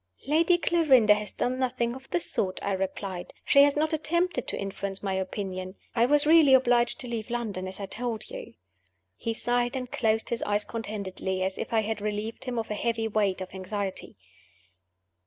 "Lady Clarinda has done nothing of the sort," I replied. "She has not attempted to influence my opinion. I was really obliged to leave London, as I told you." He sighed, and closed his eyes contentedly, as if I had relieved him of a heavy weight of anxiety.